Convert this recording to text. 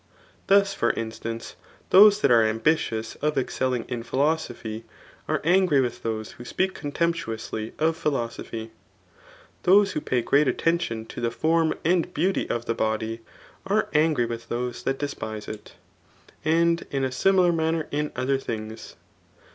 Thus for instance, those that are ambitious of excelling in philosophy, are angry with those who speak contemptuously of philosophy ; those who pay great attention to the form and beauty of the body, are angry with those that despise it; and in a similar manner in other things.